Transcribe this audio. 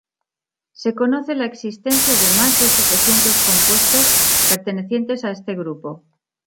Se conoce la existencia de más de setecientos compuestos pertenecientes a este grupo.